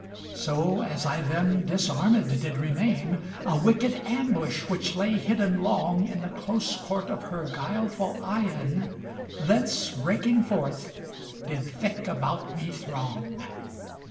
So as I then disarmed did remain, A wicked ambush which lay hidden long In the close court of her guileful eyen, Thence breaking forth did thick about me throng.